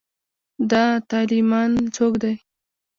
دا طالېمن څوک دی.